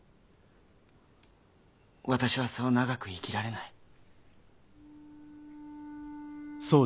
私はそう長く生きられない。